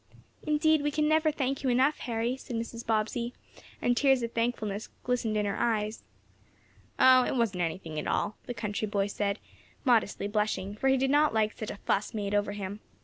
"Indeed we never can thank you enough. Harry," said Mrs. Bobbsey, and tears of thankfulness glistened in her eyes. "Oh, it wasn't anything at all," the country boy said, modestly blushing, for he did not like such a "fuss" made over him.